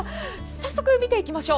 早速、見ていきましょう。